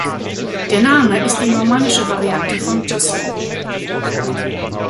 Der Name ist die normannische Variante von Jocelyn.